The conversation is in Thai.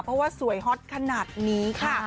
เพราะว่าสวยฮอตขนาดนี้ค่ะ